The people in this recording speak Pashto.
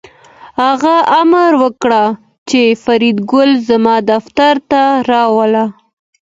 هغه امر وکړ چې فریدګل زما دفتر ته راوله